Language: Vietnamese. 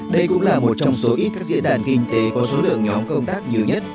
đây cũng là một trong số ít các diễn đàn kinh tế có số lượng nhóm công tác nhiều nhất